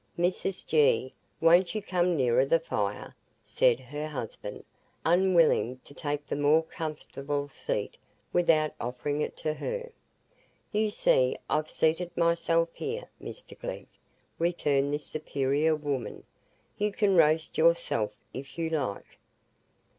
"Mrs G., won't you come nearer the fire?" said her husband, unwilling to take the more comfortable seat without offering it to her. "You see I've seated myself here, Mr Glegg," returned this superior woman; "you can roast yourself, if you like."